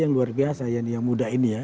yang luar biasa ya ini yang muda ini ya